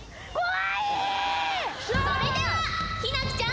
それではひなきちゃん。